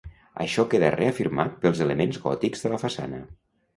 Això queda reafirmat pels elements gòtics de la façana.